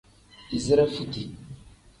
Izire futi.